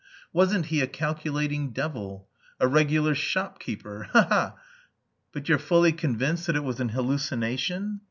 Wasn't he a calculating devil! A regular shopkeeper. Ha ha!" "But you're fully convinced that it was an hallucination?"